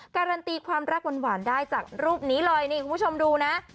การันตีความรักหวานได้จากรูปนี้เลยนี่คุณผู้ชมดูนะ